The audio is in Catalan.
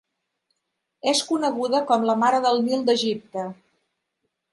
És coneguda com la "Mare del Nil" d'Egipte.